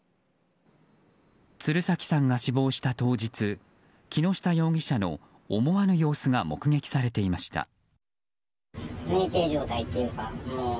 鶴崎さんが死亡した当日木下容疑者の思わぬ様子が目撃されていました。